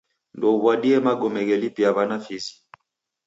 Ndouw'adie magome ghelipia w'ana fizi.